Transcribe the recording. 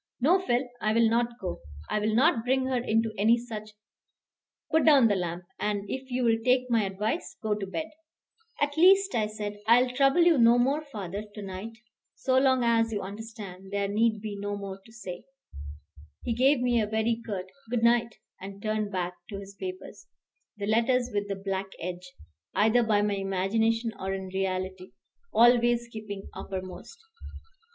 "No, Phil, I will not go. I will not bring her into any such Put down the lamp, and, if you will take my advice, go to bed." "At least," I said, "I will trouble you no more, father, to night. So long as you understand, there need be no more to say." He gave me a very curt "good night," and turned back to his papers, the letters with the black edge, either by my imagination or in reality, always keeping uppermost.